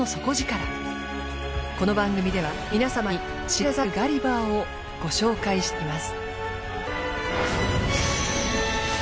この番組では皆様に知られざるガリバーをご紹介していきます。